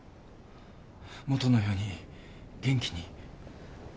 元のように元気に。